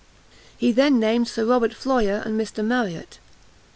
He then named Sir Robert Floyer and Mr Marriot.